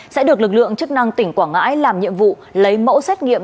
sẽ được lực lượng chức năng tỉnh quảng ngãi làm nhiệm vụ lấy mẫu xét nghiệm